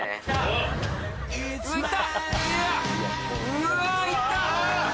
うわいった！